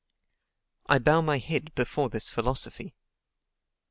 I bow my head before this philosophy.